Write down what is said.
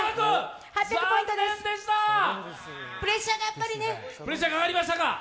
プレッシャー、かかりましたか？